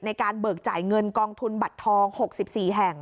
เบิกจ่ายเงินกองทุนบัตรทอง๖๔แห่ง